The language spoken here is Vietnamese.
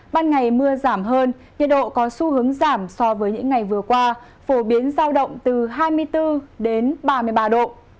ban ngày mưa giảm hơn nhiệt độ có xu hướng giảm so với những ngày vừa qua phổ biến giao động từ hai mươi bốn đến ba mươi ba độ